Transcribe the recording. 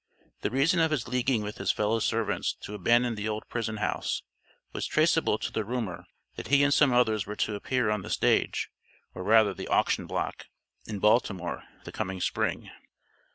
The reason of his leaguing with his fellow servants to abandon the old prison house, was traceable to the rumor, that he and some others were to appear on the stage, or rather the auction block, in Baltimore, the coming Spring.